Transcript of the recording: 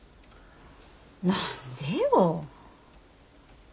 何でよ。